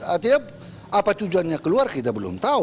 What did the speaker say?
artinya apa tujuannya keluar kita belum tahu